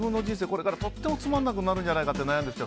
これからとてもつまんなくなるんじゃないかって悩んでる人